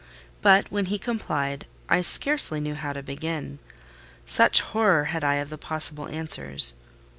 But when he complied, I scarcely knew how to begin; such horror had I of the possible answers.